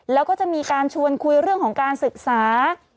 แล้วก็จะมีการชวนคุยเรื่องของการศึกษา